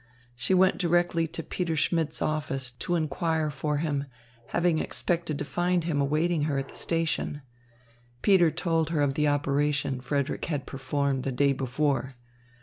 She went directly to Peter Schmidt's office to inquire for him, having expected to find him awaiting her at the station. Peter told her of the operation Frederick had performed the day before.